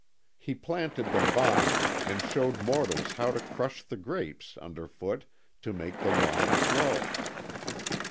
He planted the vine and showed mortals how to crush the grapes underfoot to make the wine flow.